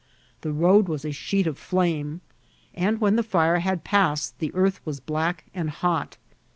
The road was a sheet of flame, and when the fire had passed the earth was black and hot.